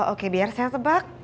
oke biar saya tebak